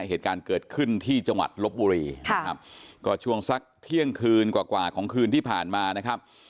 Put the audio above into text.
เหตุการณ์เกิดขึ้นที่จังหวัดลบบุรีนะครับก็ช่วงสักเที่ยงคืนกว่ากว่าของคืนที่ผ่านมานะครับ